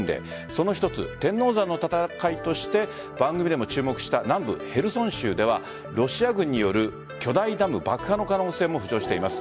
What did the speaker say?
その一つ、天王山の戦いとして番組でも注目した南部・ヘルソン州ではロシア軍による巨大ダム爆破の可能性も浮上しています。